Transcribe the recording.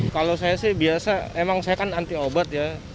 kalau saya sih biasa emang saya kan anti obat ya